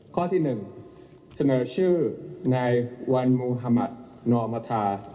ข้อที่๑เสนอชื่อนายวันมุธมัธนอมธา